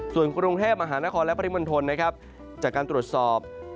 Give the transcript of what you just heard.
ส่วนกรุงเทพฯอาหารนครและพลิมนธนจากการตรวจสอบ